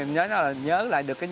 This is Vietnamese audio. nhớ nó là nhớ lại được cái nhớ